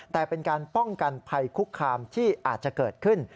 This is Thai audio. แต่เป็นการป้องกันภัยคุกคามที่อาจจะเกิดขึ้น